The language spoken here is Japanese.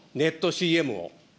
ＣＭを。